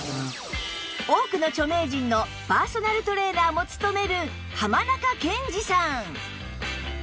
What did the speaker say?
多くの著名人のパーソナルトレーナーも務める浜中健次さん